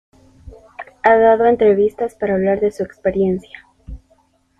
Ha dado entrevistas para hablar de su experiencia.